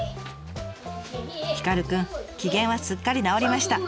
ヒカルくん機嫌はすっかり直りました。